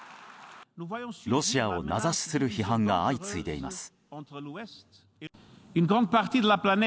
ロシアを名指しする批判が相次いでいます。